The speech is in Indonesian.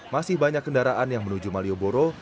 masih banyak kendaraan yang menuju malioboro